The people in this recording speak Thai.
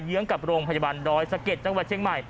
เยื้องกับโรงพยาบาลดอยสะเก็ดจังหวัดเชียงใหม่